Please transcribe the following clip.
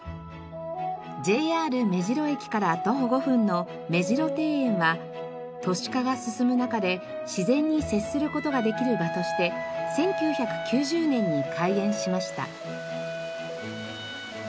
ＪＲ目白駅から徒歩５分の目白庭園は都市化が進む中で自然に接する事ができる場として１９９０年に開園しました。